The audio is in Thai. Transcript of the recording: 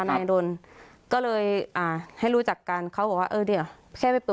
นายดนก็เลยอ่าให้รู้จักกันเขาบอกว่าเออเดี๋ยวแค่ไปเปิด